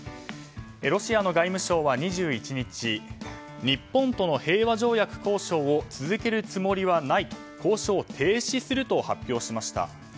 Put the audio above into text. ロシアの外務省は２１日日本との平和条約交渉を続けるつもりはないと交渉を停止すると発表しました。